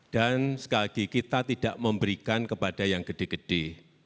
dan sekali lagi kita tidak memberikan kepada yang gede gede